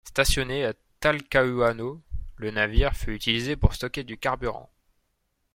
Stationné à Talcahuano le navire fut utilisé pour stocker du carburant.